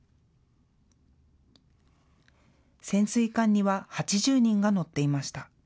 潜水艦には８０人が乗っていました。